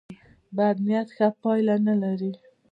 بد نیت ښه پایله نه لري.